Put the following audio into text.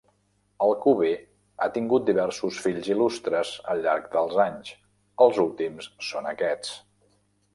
Alcover ha tingut diversos fills il·lustres al llarg dels anys, els últims són aquests.